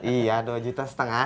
iya dua juta setengah